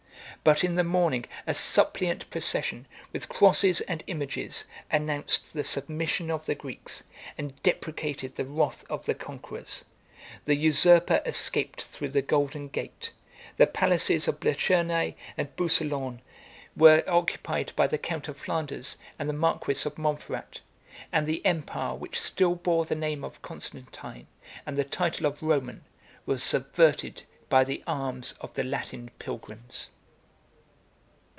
But in the morning, a suppliant procession, with crosses and images, announced the submission of the Greeks, and deprecated the wrath of the conquerors: the usurper escaped through the golden gate: the palaces of Blachernæ and Boucoleon were occupied by the count of Flanders and the marquis of Montferrat; and the empire, which still bore the name of Constantine, and the title of Roman, was subverted by the arms of the Latin pilgrims.